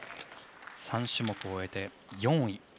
３種目終えて４位。